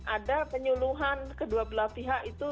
ada penyuluhan kedua belah pihak itu